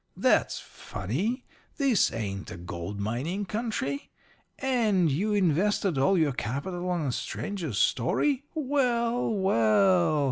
'That's funny. This ain't a gold mining country. And you invested all your capital on a stranger's story? Well, well!